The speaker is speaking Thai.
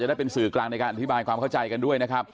จะได้เป็นศึกลางในการอธิบายความเข้าใจกันด้วย